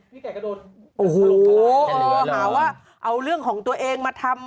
ไก่ก็โดนโอ้โหหาว่าเอาเรื่องของตัวเองมาทำ